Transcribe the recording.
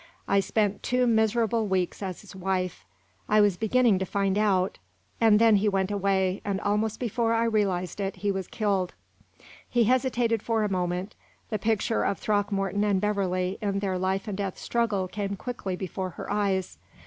I spent two miserable weeks as his wife. I was beginning to find out and then he went away, and almost before I realized it, he was killed." She hesitated for a moment; the picture of Throckmorton and Beverley in their life and death struggle came quickly before her eyes.